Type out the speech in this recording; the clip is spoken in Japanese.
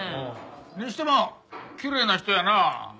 にしてもきれいな人やなあ。